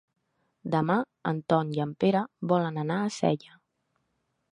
Demà en Ton i en Pere volen anar a Sella.